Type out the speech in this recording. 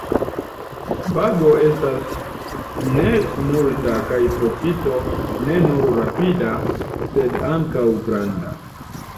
Pago estas ne multa kaj profito ne nur rapida sed ankaŭ granda.